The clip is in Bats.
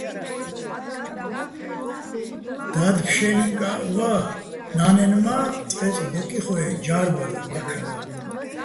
და́დ ფშე́ლინკაჸ ვა, ნა́ნენ მა წყე́წყ დოკ იხო-ე ჯა́რბალა, ბაქალა.